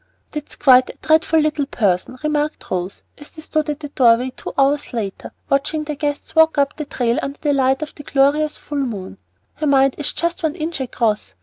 "That's quite a dreadful little person," remarked Rose, as they stood at the doorway two hours later, watching the guests walk up the trail under the light of a glorious full moon. "Her mind is just one inch across.